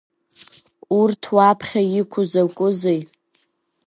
Урҭ уаԥхьа иқәу закәызеи?